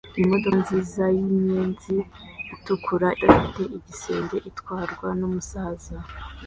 Imodoka nziza yinyenzi itukura idafite igisenge itwarwa numusaza